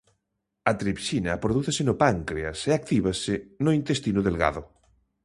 A tripsina prodúcese no páncreas e actívase no intestino delgado.